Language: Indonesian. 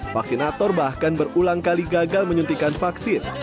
vaksinator bahkan berulang kali gagal menyuntikan vaksin